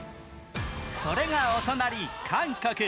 それがお隣、韓国。